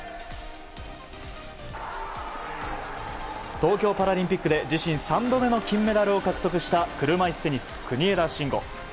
東京パラリンピックで自身３度目の金メダルを獲得した車いすテニス、国枝慎吾。